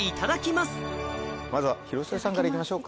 まずは広末さんからいきましょう。